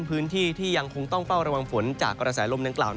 พื้นที่ที่ยังคงต้องเฝ้าระวังฝนจากกระแสลมดังกล่าว